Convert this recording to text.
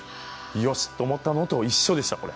よし！と思ったのと一緒でした、これ。